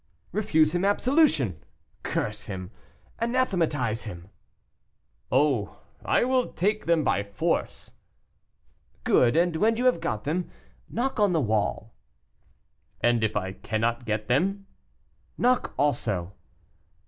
"Refuse him absolution, curse him, anathematize him " "Oh, I will take them by force." "Good; and when you have got them, knock on the wall." "And if I cannot get them?" "Knock also."